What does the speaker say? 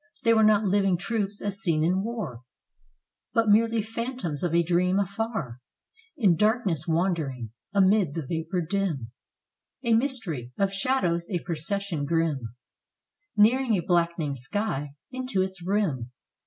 They were not living troops as seen in war, 350 THE RETREAT FROM MOSCOW But merely phantoms of a dream, afar In darkness wandering, amid the vapor dim, — A mystery; of shadows a procession grim, Nearing a blackening sky, into its rim.